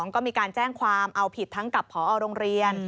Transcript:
ก็มีการแจ้งความเอาผิดทั้งกับพอโรงเรียน